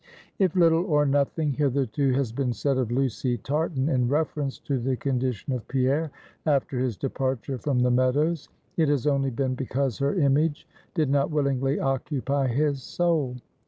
If little or nothing hitherto has been said of Lucy Tartan in reference to the condition of Pierre after his departure from the Meadows, it has only been because her image did not willingly occupy his soul.